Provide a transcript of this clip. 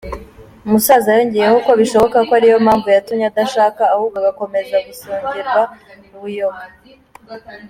Umusaza yongeyeho ko bishoboka ko ariyo mpamvu yatumye adashaka ahubwo agakomeza gusogongerwa buyoga.